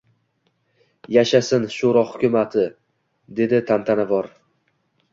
— Yashasin, sho‘ro hukumati! — dedi tantanavor. —